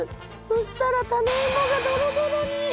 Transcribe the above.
そしたらタネイモがドロドロに！